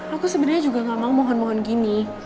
aku sebenarnya juga gak mau mohon mohon gini